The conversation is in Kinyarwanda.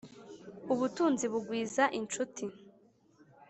ubutunzi bugwiza incuti,